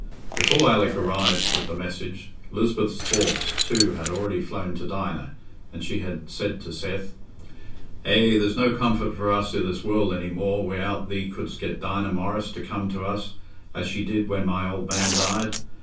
Before Alick arrived with the message, Lisbeth's thoughts too had already flown to Dinah, and she had said to Seth, "Eh, there's no comfort for us i' this world any more, wi'out thee couldst get Dinah Morris to come to us, as she did when my old man died.